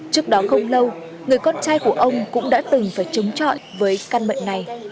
trước đó không lâu người con trai của ông cũng đã từng phải chống trọi với căn bệnh này